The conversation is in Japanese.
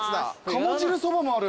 鴨汁そばもある。